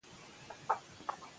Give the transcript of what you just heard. که روغتیا وي نو اړتیا نه وي.